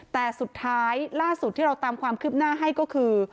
แต่สุดท้ายล่าสุดที่เราตามความคืบหน้าให้ก็คือ